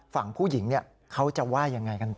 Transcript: ฝั่งผู้หญิงเขาจะว่ายังไงกันต่อ